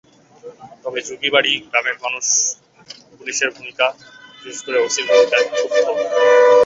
তবে যুগীবাড়ী গ্রামের মানুষ পুলিশের ভূমিকা, বিশেষ করে ওসির ভূমিকায় ক্ষুব্ধ।